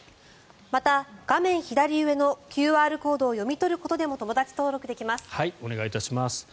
また、画面左上のＱＲコードを読み取ることでもお願いいたします。